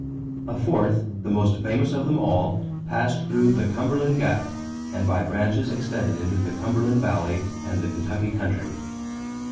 A fourth, the most famous of them all, passed through the Cumberland Gap and by branches extended into the Cumberland valley and the Kentucky country.